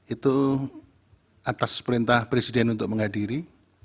itu atas perintah presiden untuk menghadiri